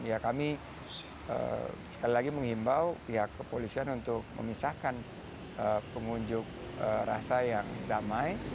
ya kami sekali lagi menghimbau pihak kepolisian untuk memisahkan pengunjuk rasa yang damai